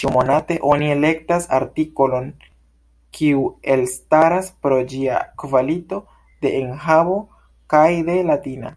Ĉiumonate oni elektas artikolon kiu elstaras pro ĝia kvalito de enhavo kaj de latina.